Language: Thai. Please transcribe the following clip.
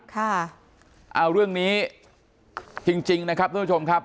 ค่ะเอาเรื่องนี้จริงนะครับทุกผู้ชมครับ